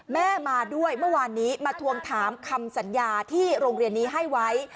แม่มาด้วยเมื่อวานนี้มาทวงถามคำสัญญาที่โรงเรียนนี้ให้ไว้